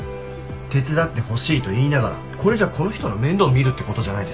「手伝ってほしい」と言いながらこれじゃこの人の面倒を見るって事じゃないですか。